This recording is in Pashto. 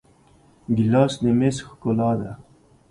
ګیلاس د میز ښکلا ده.